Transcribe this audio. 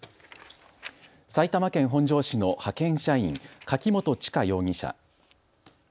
埼玉県本庄市の派遣社員、柿本知香容疑者。